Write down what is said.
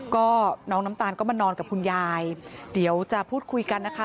ก็น้องน้ำตาลก็มานอนกับคุณยายเดี๋ยวจะพูดคุยกันนะคะ